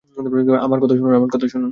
আমার কথা শুনুন!